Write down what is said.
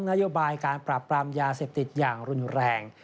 นโยบายการปรับปรามยาเสพติดอย่างรุนแรง